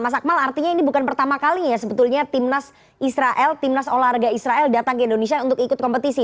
mas akmal artinya ini bukan pertama kali ya sebetulnya timnas israel timnas olahraga israel datang ke indonesia untuk ikut kompetisi